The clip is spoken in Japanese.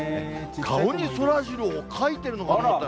顔にそらジローを描いてると思ったら。